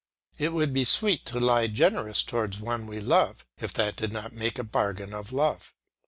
It would be sweet to lie generous towards one we love, if that did not make a bargain of love.